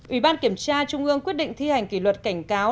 ubnd trung ương quyết định thi hành kỷ luật cảnh cáo